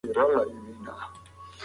اقتصاد د ټولنې په جوړښت اغېزه لري.